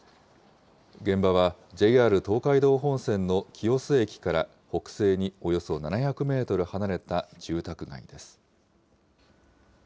現場はＪＲ東海道本線の清洲駅から北西におよそ７００メートル離れた住宅街です。